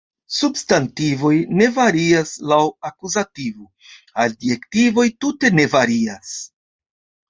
Substantivoj ne varias laŭ akuzativo, adjektivoj tute ne varias.